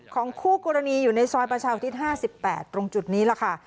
ของคู่กรณีอยู่ในซอยประชาวอาทิตย์๕๘ตรงจุดนี้ล่ะค่ะ